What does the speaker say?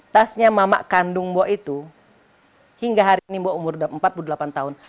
tasnya mamak kandung bo itu hingga hari ini bok umur empat puluh delapan tahun